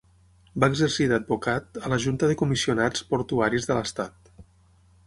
Va exercir d'advocat a la Junta de Comissionats Portuaris de l'Estat.